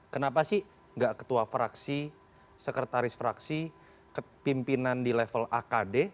kenapa sih gak ketua fraksi sekretaris fraksi pimpinan di level akd